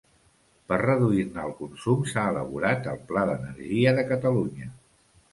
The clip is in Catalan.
Per reduir-ne el consum s'ha elaborat el Pla d'energia de Catalunya.